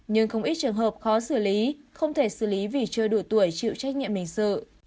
nhưng không ít trường hợp khó xử lý không thể xử lý vì chưa đủ tuổi chịu trách nhiệm hình sự